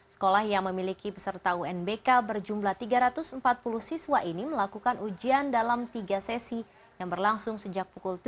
sekolah yang memiliki peserta unbk berjumlah tiga ratus empat puluh siswa